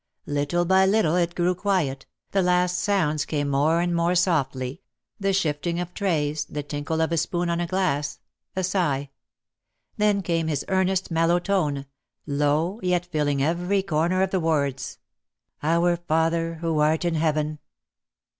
Little by little it grew quiet, the last sounds came more and more softly, the shifting of trays, the tinkle of a spoon on a glass, a sigh. Then came his earnest mellow tone, low, yet filling every corner of the wards, "Our Father who art in Heaven."